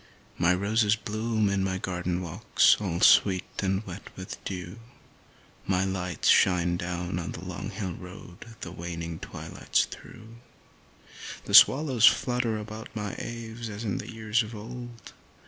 My roses bloom in my garden walks all sweet and wet with the dew, My lights shine down on the long hill road the waning twilights through, The swallows flutter about my eaves as in the years of old.